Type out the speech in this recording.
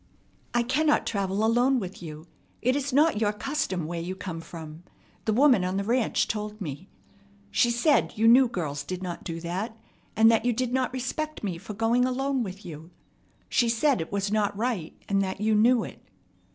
"I cannot travel alone with you. It is not your custom where you come from. The woman on the ranch told me. She said you knew girls did not do that, and that you did not respect me for going alone with you. She said it was not right, and that you knew it."